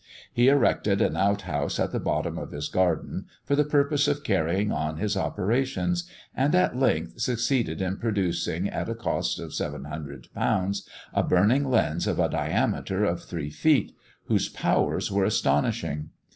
He erected an outhouse at the bottom of his garden, for the purpose of carrying on his operations, and at length succeeded in producing, at a cost of £700, a burning lens of a diameter of three feet, whose powers were astonishing.